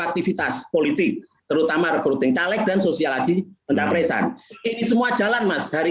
aktivitas politik terutama recruiting caleg dan sosial aci mentah presan ini semua jalan mas hari